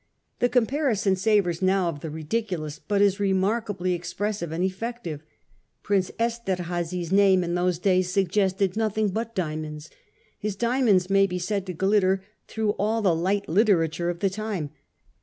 The comparison savours now of the ridi culous, hut is remarkably expressive and effective. Prince Esterhazy's name in those days suggested nothing but diamonds. His diamonds may be said to glitter through all the light literature of the time.